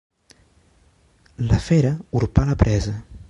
La fera urpà la presa.